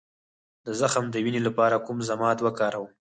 د زخم د وینې لپاره کوم ضماد وکاروم؟